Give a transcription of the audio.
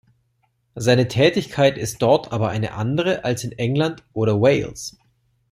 Seine Tätigkeit ist dort aber eine andere als in England oder Wales.